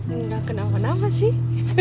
enggak kenapa kenapa sih